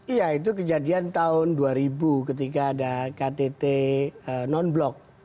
iya itu kejadian tahun dua ribu ketika ada ktt non blok